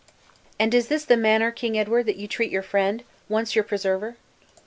"And is this the manner, King Edward, that you treat your friend, once your preserver?"